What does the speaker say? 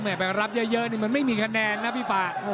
ไปรับเยอะนี่มันไม่มีคะแนนนะพี่ป่า